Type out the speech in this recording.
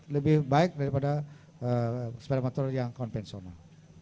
lebih baik daripada sepeda motor yang konvensional